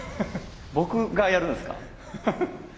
僕がやるんですか？